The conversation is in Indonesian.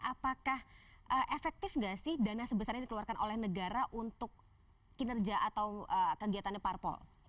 apakah efektif nggak sih dana sebesar ini dikeluarkan oleh negara untuk kinerja atau kegiatannya parpol